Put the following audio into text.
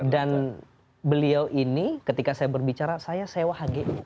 dan beliau ini ketika saya berbicara saya sewa hgu